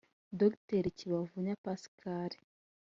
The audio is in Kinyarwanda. Dr Kibanvunya Pascal